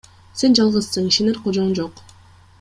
Сен жалгызсың, ишенер кожоң жок.